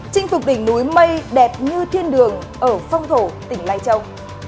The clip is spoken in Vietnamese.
chinh phục đỉnh núi mây đẹp như thiên đường ở phong thổ tỉnh lai châu